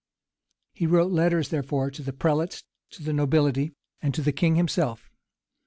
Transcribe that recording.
He wrote letters, therefore, to the prelates, to the nobility, and to the king himself.